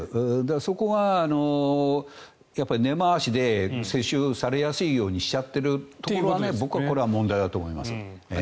そこがやっぱり根回しで世襲されやすいようにしちゃっているのが僕は問題だと思います。